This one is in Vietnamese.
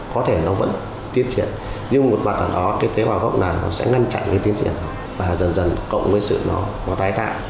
có thể nó vẫn tiến triển nhưng một mặt ở đó tế bào gốc này sẽ ngăn chặn tiến triển và dần dần cộng với sự nó có tái tạo